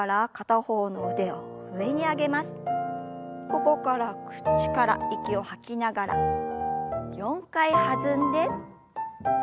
ここから口から息を吐きながら４回弾んで。